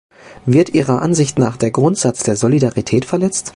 Wird Ihrer Ansicht nach der Grundsatz der Solidarität verletzt?